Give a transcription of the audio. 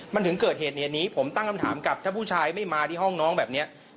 มันถึงเกิดเหตุเหตุนี้ผมตั้งคำถามกับถ้าผู้ชายไม่มาที่ห้องน้องแบบนี้